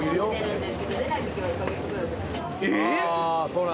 えっ！？